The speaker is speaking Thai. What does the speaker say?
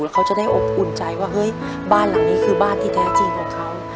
เขาจะได้อบอุ่นใจว่าเฮ้ยบ้านหลังนี้คือบ้านที่แท้จริงของเขา